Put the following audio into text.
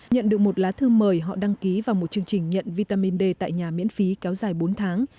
nhận được một lá thư mời họ đăng ký vào một chương trình nhận vitamin d tại nhà miễn phí kéo dài bốn tháng